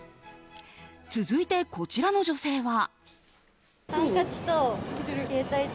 続いてこちらの女性は。